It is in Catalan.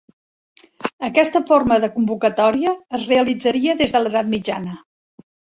Aquesta forma de convocatòria es realitzaria des de l'edat mitjana.